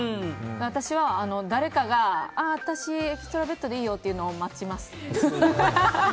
私は誰かが私エキストラベッドでいいよって言うのを待ちます。